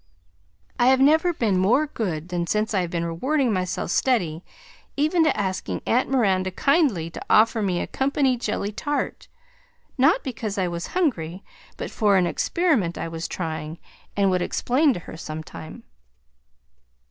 I have never been more good than since I have been rewarding myself steady, even to asking Aunt Miranda kindly to offer me a company jelly tart, not because I was hungry, but for an experement I was trying, and would explain to her sometime.